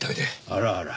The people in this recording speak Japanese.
あらあら。